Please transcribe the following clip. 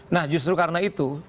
nah justru karena itu